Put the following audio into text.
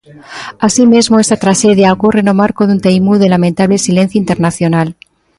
Así mesmo, esta traxedia ocorre no marco dun teimudo e lamentable silencio internacional.